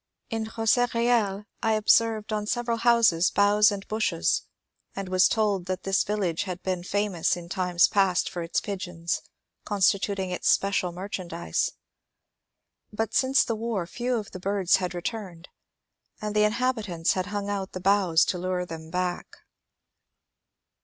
In Bozerielles I observed on several houses boughs and bushes, and was told that this village had been famous in times past for its pigeons, con stituting its special merchandise. But since the war few of the birds had returned, and the inhabitants had hung out the boughs to lure them back.